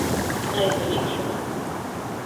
Aizalīgšona.